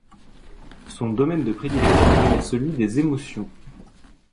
Son domaine de prédilection est celui des émotions.